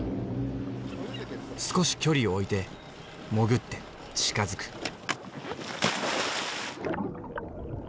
少し距離を置いて潜って近づく。